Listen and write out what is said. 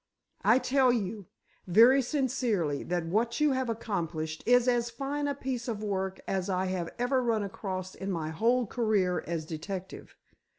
I tell you, very sincerely, that what you have accomplished is as fine a piece of work as I have ever run across in my whole career as detective.